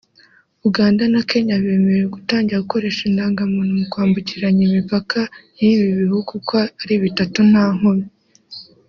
Uganda na Kenya bemererwe gutangira gukoresha indangamuntu mu kwambukiranya imipaka y’ibi bihugu uko ari bitatu nta nkomyi